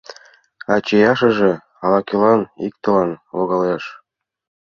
А шияшыже ала-кӧлан иктылан логалеш.